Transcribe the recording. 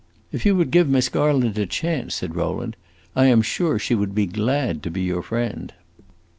"If you would give Miss Garland a chance," said Rowland, "I am sure she would be glad to be your friend."